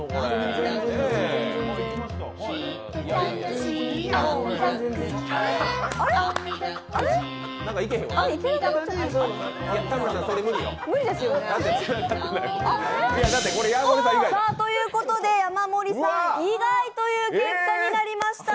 田村さん、それ無理よ。ということで山盛りさん以外という結果になりました！